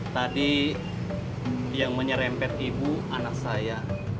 tadi yang menyerempet ibu anak saya